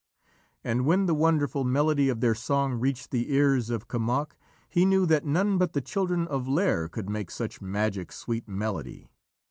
And when the wonderful melody of their song reached the ears of Kemoc, he knew that none but the children of Lîr could make such magic sweet melody.